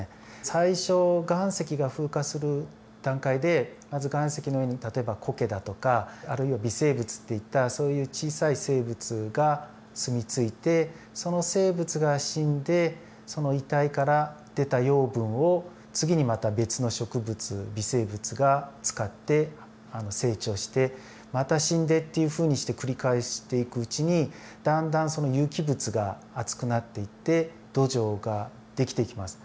最初岩石が風化する段階でまず岩石の上に例えばコケだとかあるいは微生物っていったそういう小さい生物が住み着いてその生物が死んでその遺体から出た養分を次にまた別の植物微生物が使って成長してまた死んでっていうふうにして繰り返していくうちにだんだんその有機物が厚くなっていって土壌が出来ていきます。